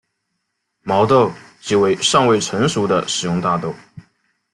毛豆即为尚未成熟的食用大豆。